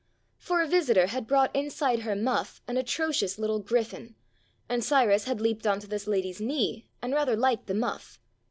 For a visi tor had brought inside her muff an atrocious little griffon, and Cyrus had leaped on to this lady's knee and rather liked the muff.